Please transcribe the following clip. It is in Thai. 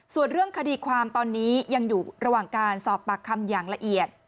ส่วนเรื่องคดีความตอนนี้ยังอยู่ระหว่างการสอบปากคำอย่างละเอียด